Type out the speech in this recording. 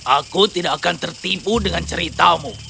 aku tidak akan tertipu dengan ceritamu